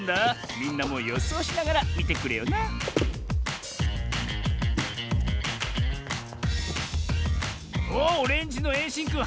みんなもよそうしながらみてくれよなおっオレンジのえいしんくん